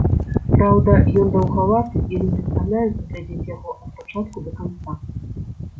Праўда, ён даўгаваты і людзі стамляюцца глядзець яго ад пачатку да канца.